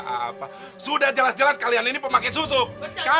aku tahu narah kamu pakai susuk